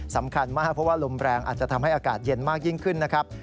สำคัญมากเพราะว่าลมแรงอาจจะทำให้อากาศเย็นมากยิ่งขึ้นนะครับ